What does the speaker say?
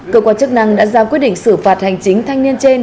cơ quan chức năng đã ra quyết định xử phạt hành chính thanh niên trên